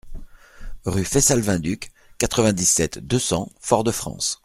Rue Faissal Vainduc, quatre-vingt-dix-sept, deux cents Fort-de-France